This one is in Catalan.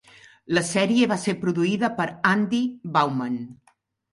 La sèrie va ser produïda per Andy Bauman.